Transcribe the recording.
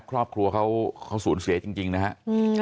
ครอบครัวเขาศูนย์เสียจริงนะฮะ